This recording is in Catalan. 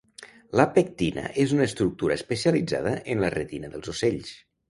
La pectina és una estructura especialitzada en la retina dels ocells.